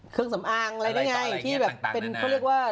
เครื่องสำอางอะไรได้ไง